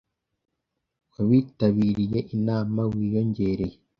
wabitabiriye inama wiyongereye